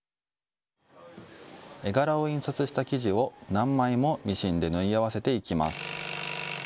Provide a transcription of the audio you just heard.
絵柄を印刷した生地を何枚もミシンで縫い合わせていきます。